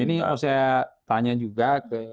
ini saya tanya juga